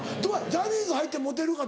ジャニーズ入ってモテるか？